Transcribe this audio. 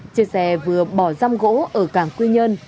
chiếc xe vừa bỏ răm gỗ ở cảng quy nhân